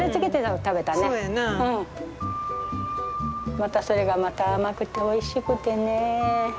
またそれがまた甘くておいしくてね。